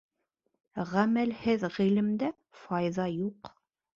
Ғәмәлһеҙ ғилемдә файҙа юҡ.